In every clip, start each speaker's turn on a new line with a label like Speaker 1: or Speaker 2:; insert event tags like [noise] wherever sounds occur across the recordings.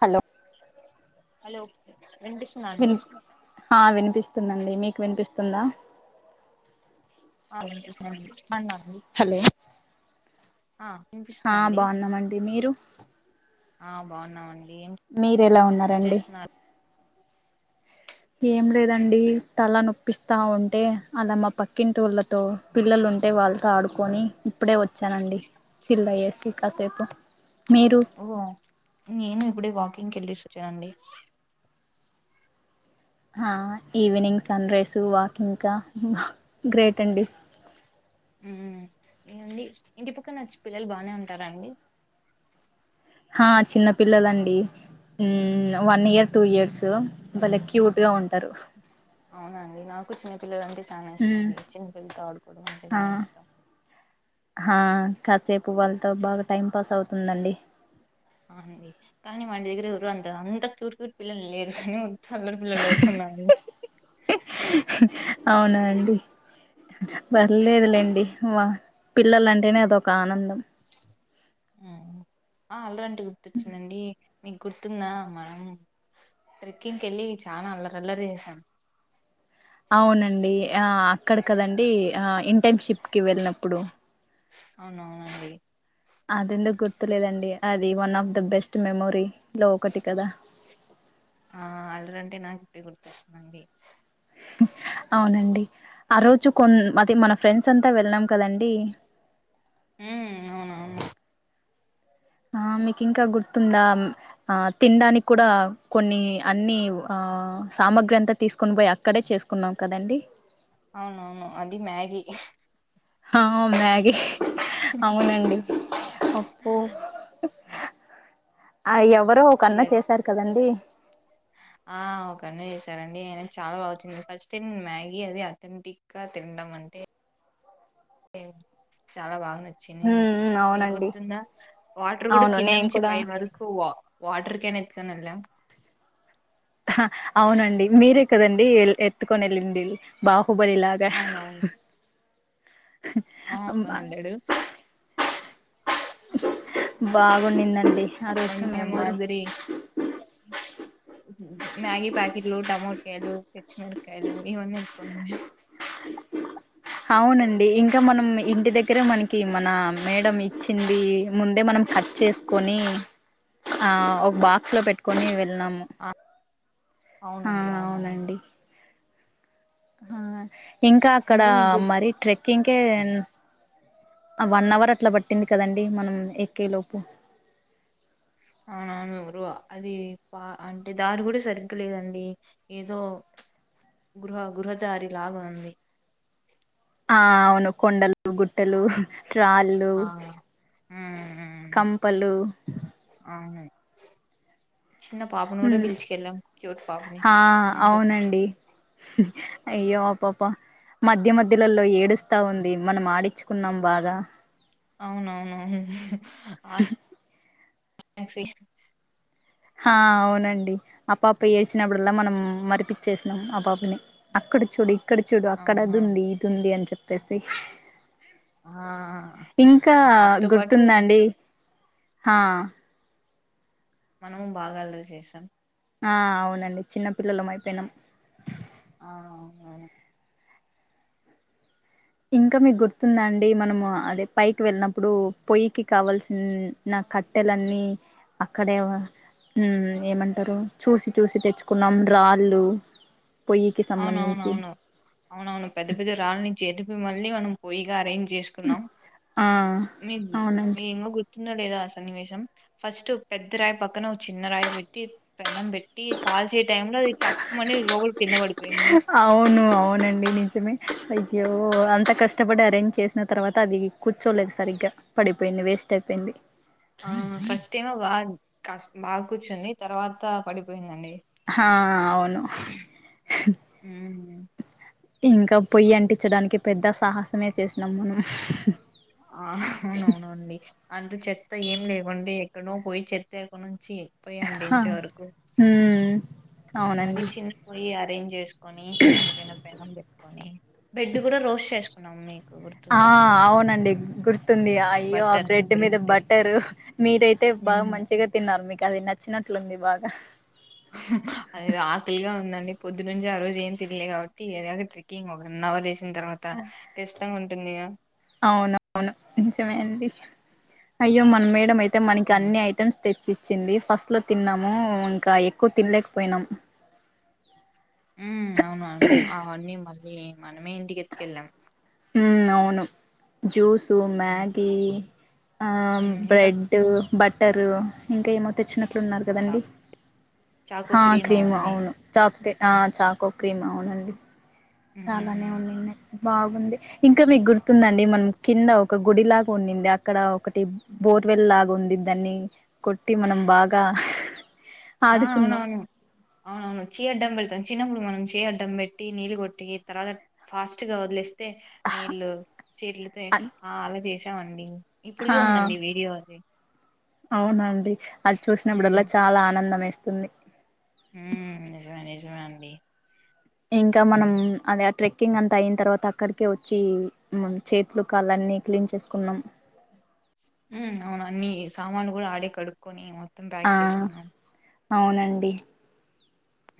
Speaker 1: Hello
Speaker 2: hello విన్పిస్తుందా అండి
Speaker 1: స్తుందండి మీకు వినిపిస్తుందా
Speaker 2: ఆ విన్పిస్తాంది స్థాందా అండి
Speaker 1: హలో
Speaker 2: ఆ
Speaker 1: ఆ
Speaker 2: వినిపిస్తుందా అండి
Speaker 1: బావున్నమండి మీరు
Speaker 2: ఆ బావున్నామండి
Speaker 1: మీరెలా ఉన్నారండి ఏం లేదండి తలనొప్పిస్తా ఉంటే అలా మా పక్కింటోళ్ళతో పిల్లలున్ ఉంటే వాళ్ళతో ఆడుకొని ఇప్పుడే వచ్చానండి చిల్లయ్యేసి కాసేపు మీరు
Speaker 2: ఓహో నేను ఇప్పుడే వాకింగ్ కెల్లేసి వచ్చిన అండి
Speaker 1: ఆ ఈవినింగ్ సన్ రైస్ వాకింగ్కా గ్రేట్ అండి
Speaker 2: ఏవండి ఇంటి పక్క నచ్చి పిల్లలు బాగానే ఉంటారండి
Speaker 1: ఆ చిన్న పిల్లలండి ఉమ్ వన్ ఇయర్ టూ ఇయర్స్ భలే క్యూట్ గా ఉంటారు
Speaker 2: ఔనా అండీ నాకూ చిన్న పిల్లల అంటే ఇష్ చాలా ఇష్టం అండి చిన్నపిల్లల్లతో ఆడుకోవడం అంటే
Speaker 1: ఆ
Speaker 2: చాల ఇష్టం అండీ
Speaker 1: హా కాసేపు వాళ్ళతో బాగా టైం పాస్ అవుతుందండి
Speaker 2: అవునండి కానీ మాదగ్గర ఎవరు అంత అంత క్యూట్ క్యూట్ పిల్లలు లేరండి అల్లరి పిల్లల్లోకటి ఉన్నారండి
Speaker 1: అవునా అండి పర్లేదులేండి పిల్లల అంటేనే అదొక ఆనందం
Speaker 2: ఆ అల్లరంటే గుర్తొచ్చిందండి మీకు గుర్తుందా మనం ట్రెకింగ్ కెళ్లి చానా అల్లరల్లరి చేసాం
Speaker 1: అవునండి ఆ అక్కడ కదండి ఇంటర్నషిప్ కి వెళ్ళినప్పుడు
Speaker 2: ఔను అవునండి
Speaker 1: అదెందుకు గుర్తులేదండి అది one of the best memory లో ఒకటి కదా
Speaker 2: ఆ అల్లరంటే నాకు ఇప్పుడే గుర్తొస్థాంది
Speaker 1: అవునండి ఆ రోజు కొన అ మన ఫ్రెండ్స్ అంతా వెళ్ళం కదండి
Speaker 2: ఉమ్ అవునవును
Speaker 1: ఆ మీకు ఇంకా గుర్తుందా ఆ తినడానికి కూడా కొన్ని అన్ని ఆ సామాగ్రి అంతా తీసుకుని పోయి అక్కడే చేసుకున్నాం కదండి
Speaker 2: అవునవును అది మ్యాగి
Speaker 1: హా మ్యాగీ అవునండి అప్పు ఎవరో ఒక అన్న
Speaker 2: ఇగ
Speaker 1: చేశారు కదండి
Speaker 2: ఆ ఒకన్న చేశారండి అయినా చాలా బాగా వచ్చింది ఫస్ట్ మ్యాగీ అది అథెంటిక్గా తినడం అంటే
Speaker 1: [inaudible]
Speaker 2: చాలా బాగనచ్చింది చిన్ని
Speaker 1: ఉమ్
Speaker 2: మీకు
Speaker 1: అవునండి
Speaker 2: గుర్తుందా వాటర్ కూడా
Speaker 1: అవును
Speaker 2: కింద
Speaker 1: నేను
Speaker 2: నుంచి
Speaker 1: కూడా
Speaker 2: పై వరకు వాటర్ క్యాన్ ఎత్తుకొనివెల్లం
Speaker 1: అవునండి మీరే కదండి ఎత్తుకొని వెళ్ళింది బా బాహుబలి లాగా
Speaker 2: అవునవును ఆ పోనడాడు
Speaker 1: బాగుండిదండి ఆ రోజు
Speaker 2: అంతే
Speaker 1: మెమోరీ
Speaker 2: మ్యాగి ప్యాకెట్లు టమోటో టమోటాకాయలు పచ్చిమిరకాయలు ఇవన్నీ ఎత్తుకొనిపోయిన్యం
Speaker 1: అవునండి ఇంకా ఇంకా మనం ఇంటి దగ్గరే మనకి మన మేడం ఇచ్చింది ముందే మనం కట్ చేసుకొని ఆ ఒక బాక్స్ లో పెట్టుకొని వెళ్నాము
Speaker 2: ఆ అవునండి అవునవును
Speaker 1: ఆ ఇంకా అక్కడ
Speaker 2: మీకు గుర్
Speaker 1: మరి ట్రెక్కింగ్కే వన్ అవర్ అట్లా పట్టింది కదండి మనం ఎక్కే లోపు
Speaker 2: అవునవును అది పా అంటే దారి కూడా సరిగ్గ లేదండి ఏదో
Speaker 1: [inaudible]
Speaker 2: గృహ గృహదారి లాగా ఉంది
Speaker 1: ఆ అవును కొండలు గుట్టలు రాళ్ళు
Speaker 2: ఆ ఉమ్ ఉమ్,
Speaker 1: కంపలు
Speaker 2: అవును చిన్న పాపను కూడా పీల్చుకెళ్ళాం క్యూట్ పాపనే
Speaker 1: ఆ
Speaker 2: అంత
Speaker 1: అవునండి అయ్యో అప్పప్ప మధ్య మధ్యలలో ఏడుస్తా ఉంది మనం ఆడించుకున్నాం బాగా
Speaker 2: అవునవునువును మ్యాక్సి
Speaker 1: హా అవునండి ఆ పప ఏడ్చినప్పుడల్లా మనం మరిపించేసినాం ఆ పాపని అక్కడ చూడు ఇక్కడ చూడు అక్కడది
Speaker 2: అవును
Speaker 1: ఉంది ఇది ఉంది అని చెప్పేసి
Speaker 2: ఆ
Speaker 1: ఇంకా
Speaker 2: ఆ పాపతో పాటు
Speaker 1: గుర్తుందా అండి హా
Speaker 2: మనము బాగా అలరి చేసాం
Speaker 1: ఆ అవునండి చిన్న పిల్లలం అయిపోయినాం
Speaker 2: ఆహా
Speaker 1: ఇంకా మీకు గుర్తుందా అండి మనము అదే పైకి వెళ్ళినప్పుడు పొయ్యికి కావల్సిన నాకు కట్టెలన్నీ అక్కడే హ్మ్ ఏమంటారు చూసి చూసి తెచ్చుకున్నాం రాళ్ళు పొయ్యికి సంబంధించి
Speaker 2: అవునవునవును అవునవును పెద్ద పెద్ద రాళ్ళనీ చెటుపిమ్మల్ని మనం పొయిగా అరేంజ్ చేసుకున్నాం
Speaker 1: ఆ
Speaker 2: మీకు
Speaker 1: అవునండి
Speaker 2: మీ గుర్ పందో లేదా ఆ సన్నివేశం ఫస్ట్ పెద్ద రాయి పక్కన ఒక చిన్న రాయి పెట్టి పెనం పెట్టి పెటి కాచీ టైమ్ లో అది తప్పు మనీ లాగుల్ కిందా పడి
Speaker 1: అవును అవునండి నిజమే అయ్యో అంత కష్టపడి అరేంజ్ చేసిన తర్వాత అది కూర్చోలేదు సరిగ్గా పడిపోయింది వేస్ట్ అయిపోయింది
Speaker 2: ఆ ఫస్ట్ టైమ్ బాగా బాగా కూర్చుంది తర్వాత పడిపోయిందండి
Speaker 1: హా అవును
Speaker 2: అ
Speaker 1: ఇంకా పొయ్యి అంటించడానికి పెద్ద సాహసమే చేసినాం మనం
Speaker 2: ఆ అవునవునండి అంటూ చెత్త ఏం లేవండి అటానో పోయి చెత్తేరుకొని వచ్చి పోయి
Speaker 1: ఆ!
Speaker 2: అటీంచవరకు
Speaker 1: హ్మ్.
Speaker 2: మరీ
Speaker 1: అవునండి.
Speaker 2: చిన్న పోయి అరేంజ్ చేసుకో కని దానిపైన పెనం పెట్టుకొని బ్రెడ్ కూడా రోస్ట్ చేసుకున్నాం మీకు
Speaker 1: ఆ
Speaker 2: గుర్తుందా
Speaker 1: అవునండి గుర్తుంది అయ్యో ఆ బ్రెడ్ మీద బట్టరు మీరైతే బాగా
Speaker 2: ఉమ్
Speaker 1: మంచిగా తిన్నారు మీకు అది నచ్చినట్లుంది బాగా
Speaker 2: అద ఆకలిగా ఉందండి పొద్దు నుంచి ఆ రోజు ఏం తిన్నలే కాబట్టి ఏద ట్రెక్కింగ్ వన్ అవర్ చేసిన తర్వాత కష్టంగా ట్టు ఉందిగా
Speaker 1: అవున అవును నిజమే అండి అయ్యో మన మేడం అయితే అయితే మనకి
Speaker 2: హ్మ్
Speaker 1: అన్ని ఐటమ్స్ తెచ్చి చ్చింది ఫస్ట్ లో తిన్నాము ఇంకా ఎక్కువ తినలేకపోయినాము
Speaker 2: అవున అవును అవన్నీ మళ్ళీ మనమే ఇంటికి ఎత్తుకెళ్ళాం
Speaker 1: హ్మ్ అవును జ్యూసు
Speaker 2: హ్మ్
Speaker 1: మ్యాగి ఆ
Speaker 2: హ్మ్ ఇంకా
Speaker 1: బ్రెడ్ బట్టరు ఇంకా ఏమతేచ్చిన అట్లున్నారు కదండి
Speaker 2: చాకు చాకు
Speaker 1: హా క్రీమ్
Speaker 2: అవన్నీ
Speaker 1: అవును చాక్లెట్ ఆ చాకో క్రీమ్ అవునండి చాలానే
Speaker 2: హ్మ్
Speaker 1: ఉన్నాయి బాగుంది ఇంకా మీకు గుర్తుందండి మనం కింద ఒక గుడిలాగా ఉందింది అక్కడ ఒకటి ఫోర్వెల్ లాగా ఉంది దాన్ని కొట్టి మనం బాగా
Speaker 2: ఆ
Speaker 1: ఆడుకున్నాం
Speaker 2: అవునవును అవునవును ఆ చీ అడ్డం పెడి చిన్నప్పుడు మనం చే అడ్డం పెట్టి నీళ్లు కొట్టి తర్వాత ఆది ఫాస్ట్ గా వదిలేస్త అ నీళ్ళు చెట్లుతో
Speaker 1: అన్
Speaker 2: ఆ అలా చేసామండి ఇప్పుడికే
Speaker 1: హా
Speaker 2: ఉందండి వీడియో అది
Speaker 1: అవునండి అది
Speaker 2: హ్మ్
Speaker 1: చూసినప్పుడల్లా చాలా ఆనందం వేస్తుంది
Speaker 2: హ్మ్ నిజమే నిజమే అండి
Speaker 1: ఇంకా మనం అదే ట్రెక్కింగ్ అంత అయిన తర్వాత అక్కడికే వచ్చి చేతులు కళ్ళు అని నీ క్లీన్ చేసుకున్నాం
Speaker 2: ఉమ్ అవును అన్ని సామానులు కూడా ఆడే కడుక్కకోని మొత్తం
Speaker 1: ఆ
Speaker 2: ప్యాక్ చేసుకున్నాం.
Speaker 1: అవునండి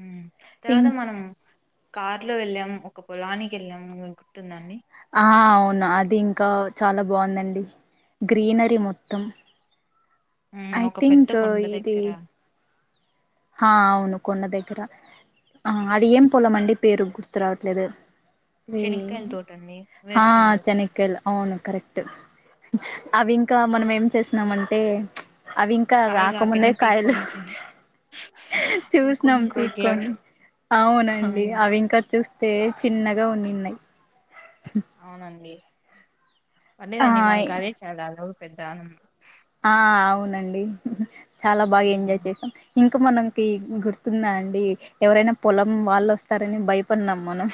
Speaker 2: ఉ
Speaker 1: ఇం
Speaker 2: తర్వాత మనము కార్ లో వెళ్ళాంము, ఒక పొలానికి వెళ్ళాంము [unintelligible] గుర్తుందా అండి?
Speaker 1: ఆ అవును అది ఇంకా చాలా బాగుందండి గ్రీనరీ మొత్తం.
Speaker 2: ఆ
Speaker 1: ఐ
Speaker 2: ఒక పెద్ద
Speaker 1: థింక్
Speaker 2: కొండ దగ్గర
Speaker 1: హ అవును కొండ దగ్గర ఆ అది ఏం పోలమండి? పేరు గుర్తు రావట్లేదు.
Speaker 2: చెనిక్కాయల
Speaker 1: [unintelligible]
Speaker 2: తోటండి.
Speaker 1: హా
Speaker 2: వేరుశెనగ తోట.
Speaker 1: చెనకల్ అవును కరెక్ట్ అవి ఇంకా మనం ఏం చేసినమంటే [unintelligible] అవి ఇంకా
Speaker 2: కాయ
Speaker 1: రాకముందే
Speaker 2: కాకనే
Speaker 1: కాయలు
Speaker 2: పీక్కొని తిని
Speaker 1: [unintelligible] చూసినాం
Speaker 2: పీక్కొని కోతిలాగా
Speaker 1: పికొని. అవునండి
Speaker 2: అవును.
Speaker 1: అవి ఇంక చుస్ తే చిన్నగా ఉన్నిన్నాయి.
Speaker 2: అవునండి.
Speaker 1: ఆ
Speaker 2: పర్లేదండి మనకు అదే చాల [unintelligible] పెద్ద
Speaker 1: ండి చాలా బాగా ఎంజాయ్ చేసాం. ఇంకా మనకి గుర్తుందా అండి? ఎవరైనా పొలం వాళ్ళు వస్తారని భయపడినాం మనం.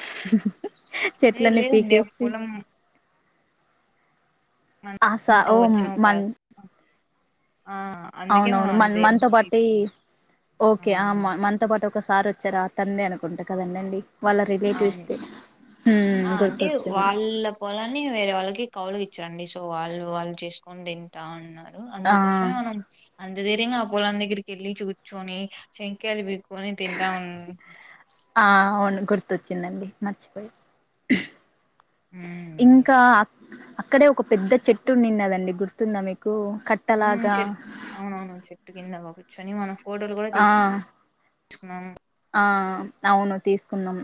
Speaker 2: ఏ
Speaker 1: చెట్లని
Speaker 2: లేదండి. ఆ
Speaker 1: పీకేసి
Speaker 2: పొలం
Speaker 1: ఆస
Speaker 2: నుంచి
Speaker 1: ఓం
Speaker 2: వచ్చినవి
Speaker 1: మన్
Speaker 2: కాదు. ఆ! అందుకే మనం
Speaker 1: అవునవును మ
Speaker 2: అంత
Speaker 1: మనతో
Speaker 2: ధైర్యంగా
Speaker 1: పాటీ
Speaker 2: పీకున్నాం.
Speaker 1: ఓకే ఆ మ మనతో పాటు ఒక స్ సార్ వచ్చారా అతందే అనుకుంటా కదండండి వాళ్ళ రిలేటివ్స్ ది
Speaker 2: అ అంటే వాళ్ళ పొలాన్ని వేరే వాళ్ళకి కౌలు ఇచ్చరండి. సో, వాళ్ళు వాళ్ళు చేస్ [unintelligible] తింటున్నారు
Speaker 1: ఆ
Speaker 2: అందుకోసం మన్ అంత ధైర్యంగా అ పొలం దగ్రికిెళ్లి చుచోని చెనికయాల్ పికొని తింటా ఉ [inaudible]
Speaker 1: ఆ అవును గుర్తొచ్చిందండి మర్చిపోయ
Speaker 2: హ్మ్
Speaker 1: ఇంకా
Speaker 2: నిజమే
Speaker 1: అక్ అక్కడే ఒక పెద్ద చెట్టు ఉనిన్నదండి గుర్తుందా మీకు
Speaker 2: ఉమ్
Speaker 1: కట్టలాగా
Speaker 2: చెట్ అవునవును చెట్టు కింద కూర్చొని మనం
Speaker 1: ఆ
Speaker 2: [inaudible] మనము
Speaker 1: ఆ అవును తీసుకున్నాం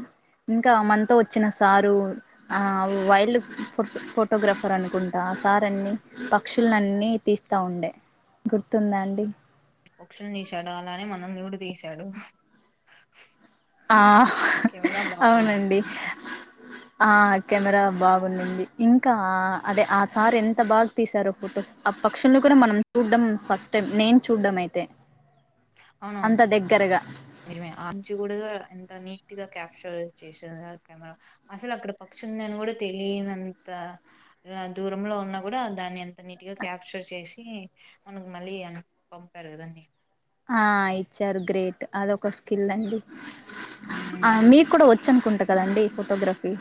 Speaker 1: ఇంకా మనతో వచ్చిన సారు ఆ వైల్డ్ ఫో ఫోటోగ్రఫర్ అనుకుంటా? ఆసారన్ని పక్షులన్ని తీస్తా ఉండే. గుర్తుందా అండి?
Speaker 2: పక్షుని తీసాడు అలానే మనం కూడా తీసాడు.
Speaker 1: ఆ హా
Speaker 2: కెమెరా బాగుందండి.
Speaker 1: అవునండి ఆ కెమెరా బాగున్నింది. ఇంకా, అదే ఆ సార్ ఎంత బాగా తీసారో ఫొటోస్. పక్షులుని కూడా మనం చూడ్డం ఫస్ట్ టైం. నేన్ చూడ్డం అయితే.
Speaker 2: అ
Speaker 1: అంత దగ్గరగా
Speaker 2: నిజమే [inaudible] ఎంత నీట్ గా క్యాప్చర్ చేసార్ ఆ కెమెరా. అసలు అక్కడ పక్షి ఉంది అని కూడా తెలియనంత. నంత. అ దూరంలో ఉన్నా కూడా దాని ఎం ఎంత నీట్గా క్యాప్చర్ చేసి, మనకు మళ్ళీ అ పంపారు కదండి
Speaker 1: ఆ ఇచ్చారు గ్రేట్, అదొక స్కిల్ అండి. ఆ
Speaker 2: ఉమ్
Speaker 1: మీకు కూడా వ వచ్చు అనుకుంటా కదండి ఫోటోగ్రఫీ?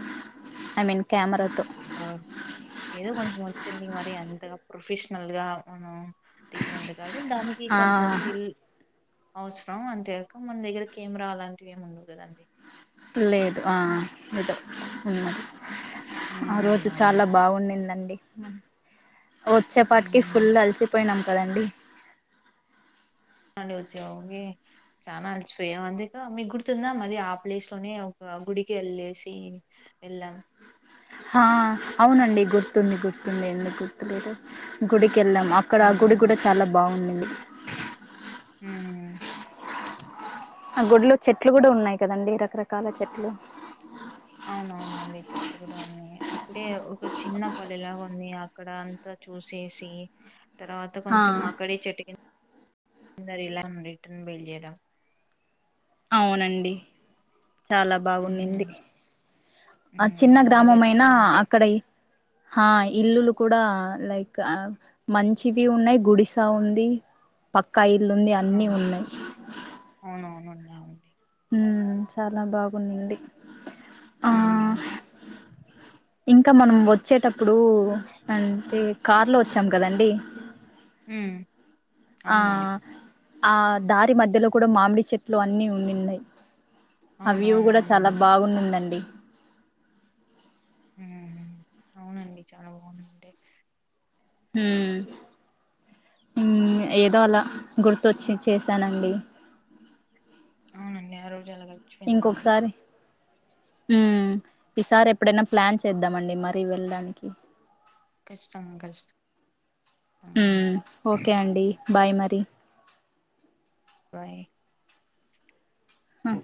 Speaker 1: ఐ మీన్ కెమెరాతో.
Speaker 2: ఏదో ల్ గా మనం తీసేది కాదు దానికి
Speaker 1: ఆ
Speaker 2: కొంచెం స్కిల్ [unintelligible] అంతేగాక మన దగ్గర కెమెరా అలాంటివి ఏమి ఉండవు కదండి
Speaker 1: లేదు ఆ ఇద ఉన్న ఆ
Speaker 2: ఉమ్
Speaker 1: రోజు
Speaker 2: అవును
Speaker 1: చాలా బాగున్నిందండి. వచ్చేపాటికి ఫుల్
Speaker 2: ఉమ్
Speaker 1: అలిసిపోయినాం, కదండి?
Speaker 2: [unintelligible] చాలా అలసిిపోయాం అంతేక మీ గుర్తుందా మరి ఆ ప్లేస్ లోనే ఒక గుడి సీన్ వెళ్ళాం
Speaker 1: ఆ అవునండి గుర్తుంది గుర్తుంది ఎందుకు గుర్తులేదు గుడి కెళ్ళాం అక్కడ ఆ గుడి
Speaker 2: ఉమ్
Speaker 1: కూడా చాలా బాగున్నింది
Speaker 2: ఉమ్,
Speaker 1: ఆ గుడిలో చెట్లు కూడ ఉన్నాయి కదండి రకరకాల చెట్లు
Speaker 2: అవునవునండి చెట్లు కూడా ఉన్నాయి అక్కడే ఒక చిన్న పల్లెలాగ ఉంది అక్కడ అంత చూసేసి తర్వాత
Speaker 1: ఆ
Speaker 2: కొంచెం అక్కడే చెట్టు కిం [unintelligible] ఇలా రిటర్న్ బయలుదేరాము
Speaker 1: అవునండి చాలా బాగున్నింది
Speaker 2: ఉమ్
Speaker 1: ఆ
Speaker 2: ఉమ్
Speaker 1: చిన్న
Speaker 2: అలా
Speaker 1: గ్రామంమయినా
Speaker 2: గడిచిపోయిందండి
Speaker 1: అక్కడ ఆ ఇల్లులు కూడ లైక్ మంచివి ఉన్నాయి గుడిసా ఉంది ప క ఇల్లు ఉంది
Speaker 2: ఆ
Speaker 1: అన్ని ఉన్నాయి
Speaker 2: అవునవునండి అవునండి
Speaker 1: చాల బాగున్నింది
Speaker 2: ఊ
Speaker 1: ఇంకా మనం వచ్చేటప్పుడు అంతే కార్ లో వచ్చాం కదండి
Speaker 2: హ్మ్
Speaker 1: ఆ ఆ దారి మధ్యలో కూడ మామిడి చెట్లు అన్ని ఉండిన్నాయ్ ఆ వివ్ గుడా చాల
Speaker 2: అవునవునవునండి
Speaker 1: బాగుండిందండి
Speaker 2: హ్మ్ అవునండి చాల బాగుందంటే
Speaker 1: హ్మ్ హ్మ్ ఏదో అలా గుర్తొచ్చి చేశానండి
Speaker 2: అవునండి ఆ రోజు అలా గడిచిపోయిందండి
Speaker 1: హ్మ్ ఈసారి ఎప్పుడైనా ప్లాన్ చేద్దామండి మరీ వెళ్ళడానికి
Speaker 2: కష్టం కష్టం మండి
Speaker 1: హ్మ్. ఓకే అండి బాయ్ మరి
Speaker 2: బాయ్
Speaker 1: హ్మ్.